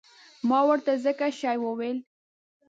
ما ورته ځکه شی وویل.